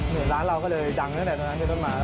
เหนือร้านเราก็เลยดังตั้งแต่สู่นั้น